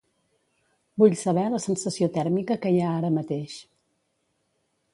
Vull saber la sensació tèrmica que hi ha ara mateix.